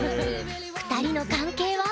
２人の関係は？